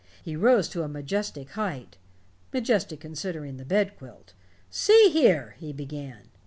He rose to a majestic height majestic considering the bed quilt. "See here " he began.